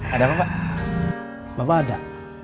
ada apa pak bapak ada